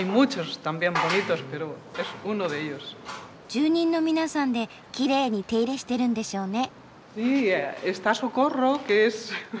住人の皆さんできれいに手入れしてるんでしょうね。